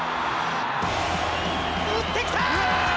打ってきた！